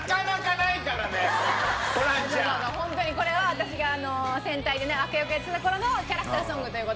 ホントにこれは私が戦隊でね悪役やってた頃のキャラクターソングという事で。